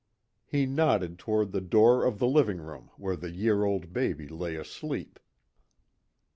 He nodded toward the door of the living room where the year old baby lay asleep.